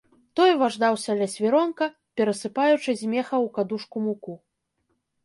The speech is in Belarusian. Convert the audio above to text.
Той важдаўся ля свіронка, перасыпаючы з меха ў кадушку муку.